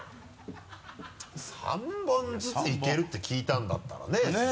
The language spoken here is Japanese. ３本ずついけるって聞いたんだったらね。ねぇ！